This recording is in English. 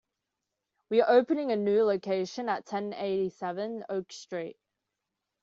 We are opening the a new location at ten eighty-seven Oak Street.